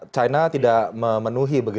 china tidak memenuhi